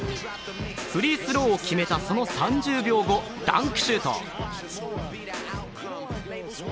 フリースローを決めたその３０秒後ダンクシュート。